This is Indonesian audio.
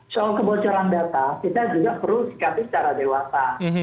soal kebocoran data kita juga perlu sikapi secara dewasa